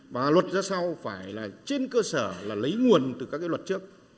và luật ra sao phải là trên cơ sở lấy nguồn từ các luật trước